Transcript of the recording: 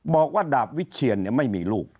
บอกว่าดาบวิเชียนไม่มีลูก